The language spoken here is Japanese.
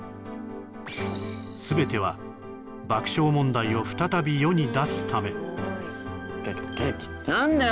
全ては爆笑問題を再び世に出すため何だよ